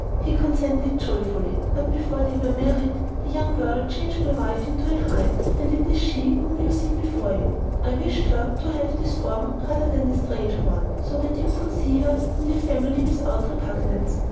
He consented joyfully, but before they were married, the young girl changed my wife into a hind, and it is she whom you see before you. I wished her to have this form rather than a stranger one, so that we could see her in the family without repugnance.